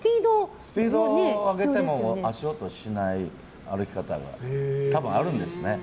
スピードを上げても足音をしない歩き方が多分、あるんですね。